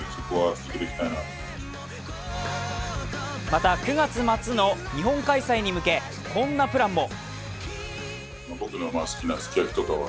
また９月末の日本開催に向け、こんなプランも。